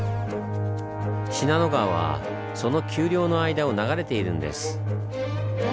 信濃川はその丘陵の間を流れているんです。